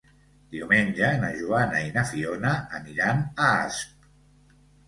Diumenge na Joana i na Fiona aniran a Asp.